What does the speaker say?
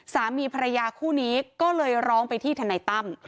สามีภรรยาคู่นี้ก็เลยร้องไปที่ทนายตั้ม